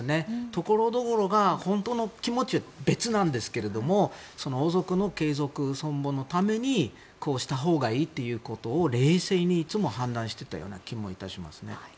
ところどころ本当の気持ちは別ですが王族の継続・存亡のためにこうしたほうがいいということを冷静にいつも判断していたような気がいたします。